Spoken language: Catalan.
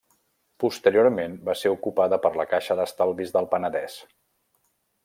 Posteriorment va ser ocupada per la Caixa d'Estalvis del Penedès.